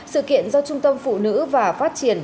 sự kiện do trung tâm phụ nữ và phát triển